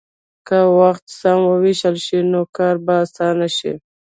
که وخت سم ووېشل شي، نو کار به اسانه شي.